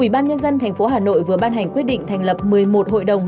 ủy ban nhân dân tp hà nội vừa ban hành quyết định thành lập một mươi một hội đồng